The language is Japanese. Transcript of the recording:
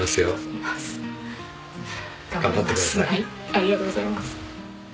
ありがとうございます。